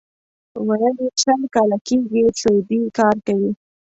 ویل یې شل کاله کېږي سعودي کار کوي.